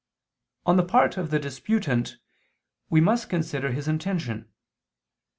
On the part of the disputant, we must consider his intention.